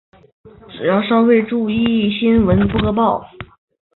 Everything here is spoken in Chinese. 只要稍微注意新闻报导